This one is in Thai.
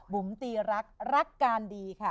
บุ๋มตีรักรักการดีค่ะ